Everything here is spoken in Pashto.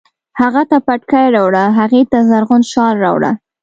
هغه ته پټکی راوړه، هغې ته زرغون شال راوړه